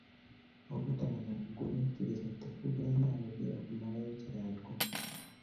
Obutaba na bugumiikiriza tekuganya ayogera kumalayo ky'aliko.